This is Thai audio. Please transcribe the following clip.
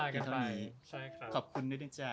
ขอบคุณนิดนึงจ้า